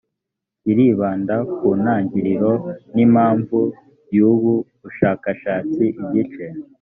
kiribanda ku ntangiriro n impamvu y ubu bushakashatsi igice